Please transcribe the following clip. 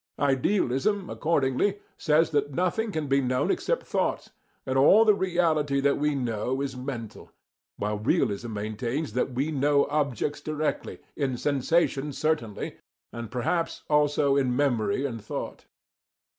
Idealism, accordingly, says that nothing can be known except thoughts, and all the reality that we know is mental; while realism maintains that we know objects directly, in sensation certainly, and perhaps also in memory and thought.